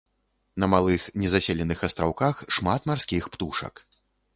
На малых незаселеных астраўках шмат марскіх птушак.